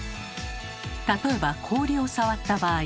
例えば氷を触った場合。